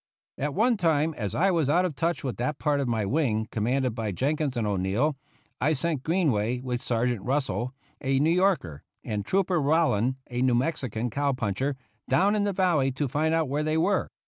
At one time, as I was out of touch with that part of my wing commanded by Jenkins and O'Neill, I sent Greenway, with Sergeant Russell, a New Yorker, and trooper Rowland, a New Mexican cow puncher, down in the valley to find out where they were.